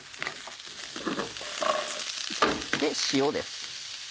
塩です。